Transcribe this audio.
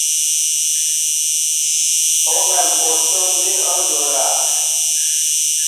Awém osɛm diŋ a jolia.